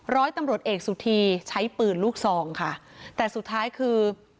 ร้อยตำรวจเอกสุธีใช้ปืนลูกซองค่ะแต่สุดท้ายคือ